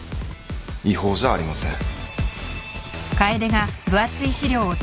違法じゃありません。